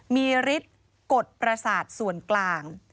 มีฤทธิ์กดประสาทส่วนกลาง